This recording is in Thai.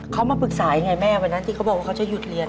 เขามาปรึกษายังไงแม่วันนั้นที่เขาบอกว่าเขาจะหยุดเรียน